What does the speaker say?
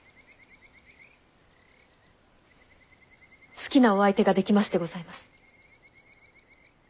好きなお相手が出来ましてございます。